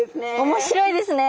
面白いですね。